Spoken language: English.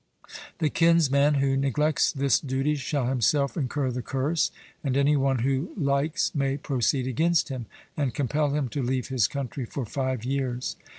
The kinsman who neglects this duty shall himself incur the curse, and any one who likes may proceed against him, and compel him to leave his country for five years.